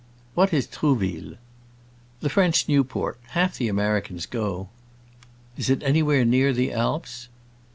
"What is Trouville?" "The French Newport. Half the Americans go." "Is it anywhere near the Alps?"